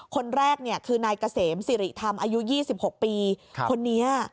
คนแรกคือนายเกษมสิริธรรมอายุ๒๖ปีคนนี้